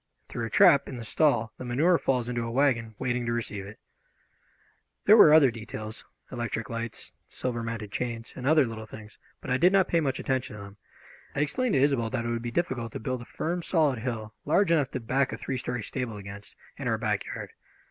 Through a trap in the stall the manure falls into a wagon waiting to receive it. There were other details electric lights, silver mounted chains, and other little things but I did not pay much attention to them. I explained to Isobel that it would be difficult to build a firm, solid hill, large enough to back a three story stable against, in our backyard.